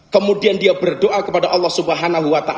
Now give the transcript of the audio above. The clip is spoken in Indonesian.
kemudian dia berdoa kepada allah swt